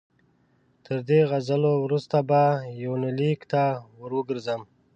تر دې غزلو وروسته به یونلیک ته ور وګرځم.